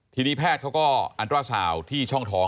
ทีนี้แพทย์เขาก็อันตราสาวที่ช่องท้อง